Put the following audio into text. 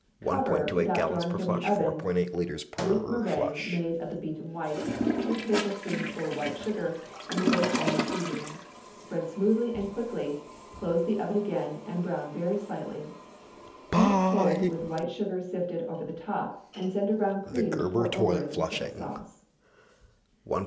Cover, without drawing from the oven, with a méringue made of the beaten whites, two tablespoonfuls white sugar, and the bitter almond seasoning. Spread smoothly and quickly, close the oven again, and brown very slightly. Eat cold, with white sugar sifted over the top, and send around cream to pour over it instead of sauce.